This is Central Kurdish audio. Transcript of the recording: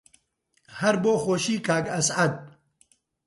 هەر بۆ خۆشی کاک ئەسعەد